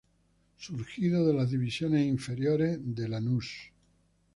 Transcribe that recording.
Surgido de las divisiones inferiores de Lanús.